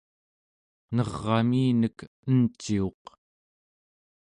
ner'aminek enciuq